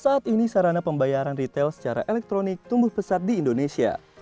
saat ini sarana pembayaran retail secara elektronik tumbuh pesat di indonesia